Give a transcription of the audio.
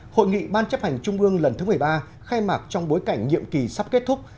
hội nghị ban chấp hành trung ương lần thứ một mươi ba khai mạc trong bối cảnh nhiệm kỳ sắp kết thúc